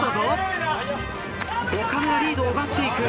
岡村リードを奪っていく。